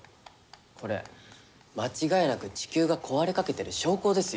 これ間違いなく地球が壊れかけてる証拠ですよ。